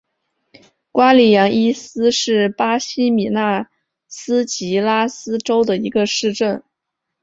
瓜尼扬伊斯是巴西米纳斯吉拉斯州的一个市镇。